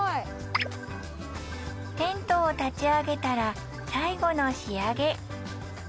テントを立ち上げたら最後の仕上げ。